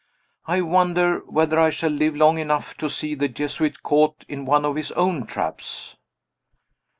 I wonder whether I shall live long enough to see the Jesuit caught in one of his own traps?